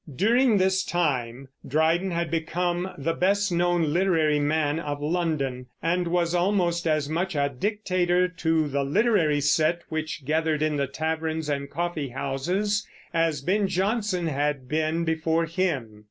During this time Dryden had become the best known literary man of London, and was almost as much a dictator to the literary set which gathered in the taverns and coffeehouses as Ben Jonson had been before him.